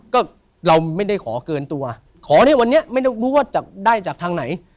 ก็เราไม่ได้ขอเกินตัวขอที่วันนี้ไม่ต้องรู้ว่าจะได้จากทางไหน